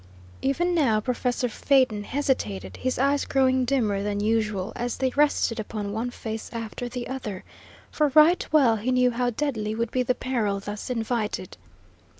Even now Professor Phaeton hesitated, his eyes growing dimmer than usual as they rested upon one face after the other, for right well he knew how deadly would be the peril thus invited.